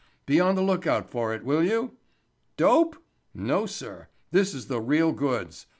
Be on the lookout for it, will you?—Dope?—No, sir, this is the real goods.